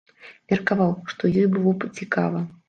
Меркаваў, што ёй было б цікава.